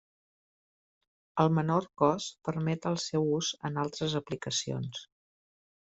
El menor cost permet el seu ús en altres aplicacions.